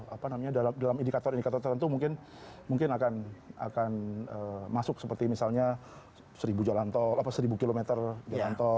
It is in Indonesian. apa namanya dalam indikator indikator tertentu mungkin akan masuk seperti misalnya seribu jalan tol atau seribu km jalan tol